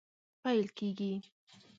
پیل کیږي